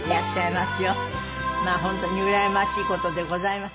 まあ本当にうらやましい事でございます。